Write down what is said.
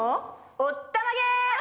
おったまげ！